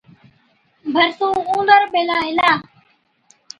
ڀرسُون اُونڏر ٻيهلا هِلا،